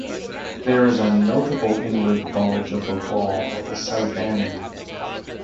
There is a notable inward bulge of the wall at the south end.